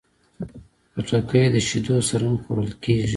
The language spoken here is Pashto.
خټکی د شیدو سره هم خوړل کېږي.